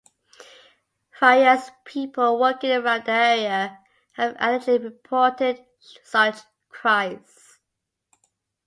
Various people, working around the area, have allegedly reported such cries.